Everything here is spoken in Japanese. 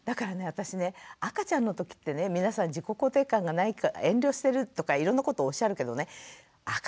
私ね赤ちゃんの時ってね皆さん自己肯定感がないから遠慮してるとかいろんなことおっしゃるけどねだって